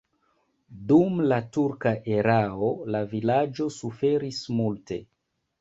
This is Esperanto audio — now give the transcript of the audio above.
Dum la turka erao la vilaĝo suferis multe.